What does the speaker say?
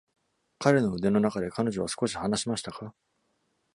彼の腕の中で、彼女は少し話しましたか？